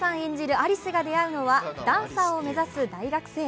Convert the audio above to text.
有栖が出会うのはダンサーを目指す大学生。